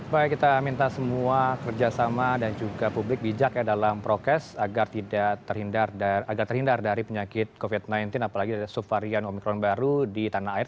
baik kita minta semua kerjasama dan juga publik bijak ya dalam prokes agar terhindar dari penyakit covid sembilan belas apalagi ada subvarian omikron baru di tanah air